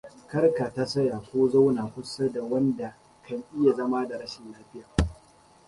Kar ka tasaya ko zauna kusa da wanda kan iya zama da rashin lafiya.